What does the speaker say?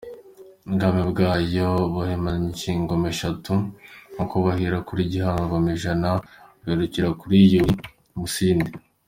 Ubwami bwabo babuhererekanyije ingoma eshatu, kuko bahera kuri Gihanga Ngomijana, bagaherukira kuri Yuhi Musindi.